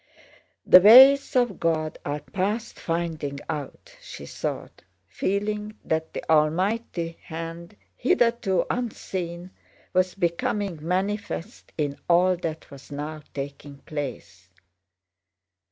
"The ways of God are past finding out!" she thought, feeling that the Almighty Hand, hitherto unseen, was becoming manifest in all that was now taking place.